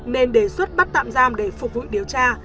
nên đề xuất bắt tạm giam để phục vụ điều tra